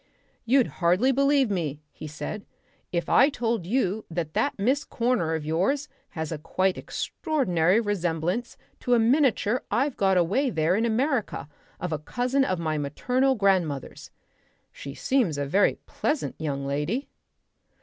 "You'd hardly believe me," he said, "if I told you that that Miss Corner of yours has a quite extraordinary resemblance to a miniature I've got away there in America of a cousin of my maternal grandmother's. She seems a very pleasant young lady."